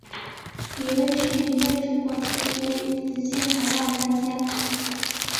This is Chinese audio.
李卫是一位中国磁学与磁性材料专家。